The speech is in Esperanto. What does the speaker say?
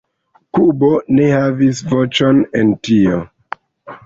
Kubo ne havis voĉon en tio"”.